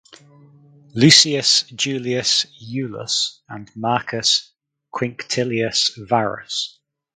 Lucius Julius Iulus and Marcus Quinctilius Varus.